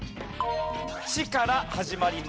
「ち」から始まります。